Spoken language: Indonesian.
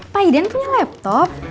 pak idan punya laptop